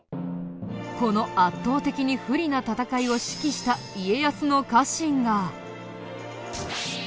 この圧倒的に不利な戦いを指揮した家康の家臣が。